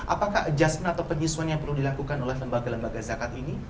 apakah adjustment atau penyesuaian yang perlu dilakukan oleh lembaga lembaga zakat ini